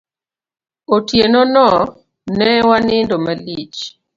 Otieno no, ne wanindo malich.